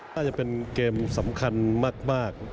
น่าจะเป็นเกมสำคัญมาก